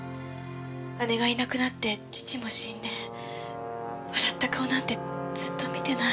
姉がいなくなって父も死んで笑った顔なんてずっと見てない。